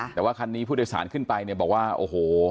แต่ว่าคันนี้ผู้โดยสารขึ้นไปเนี่ยบอกว่าโอ้โห